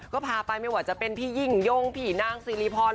ก็พาไปไม่ว่าจะเป็นพี่ยิ่งย้งผีนางซีรีย์พอนด์